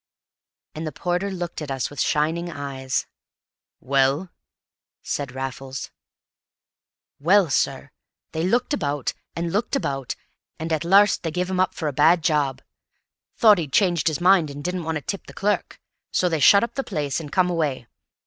And the porter looked at us with shining eyes. "Well?" said Raffles. "Well, sir, they looked about, an' looked about, an' at larst they give him up for a bad job; thought he'd changed his mind an' didn't want to tip the clurk; so they shut up the place an' come away.